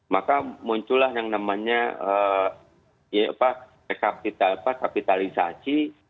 maka muncullah yang namanya kapitalisasi